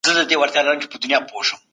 یوازې د انسان حماقت نه بدلیږي.